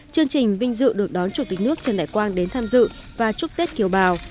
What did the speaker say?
chương trình vinh dự được đón chủ tịch nước trần đại quang đến tham dự và chúc tết kiều bào